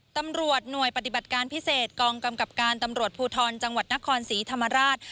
ตำรวจหน่วยปฏิบัติการพิเศษกองกำกับการตำรวจภูทรจังหวัดนครศรีธรรมราช